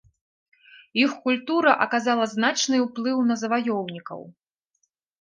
Іх культура аказала значны ўплыў на заваёўнікаў.